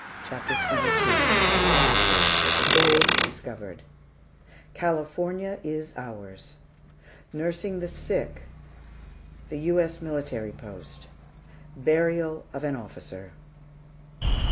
CHAPTER XXII GOLD DISCOVERED "CALIFORNIA IS OURS" NURSING THE SICK THE U.S. MILITARY POST BURIAL OF AN OFFICER.